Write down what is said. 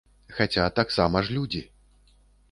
Хаця таксама ж людзі.